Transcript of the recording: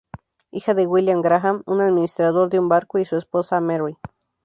Hija de William Graham, un administrador de un barco y su esposa, Mary.